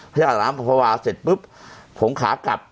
ตลาดน้ำอ่ำภาวาเสร็จปุ๊ปผมขากลับ